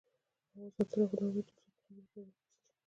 افغانستان تر هغو نه ابادیږي، ترڅو په خبرو کې یو بل قطع نکړو.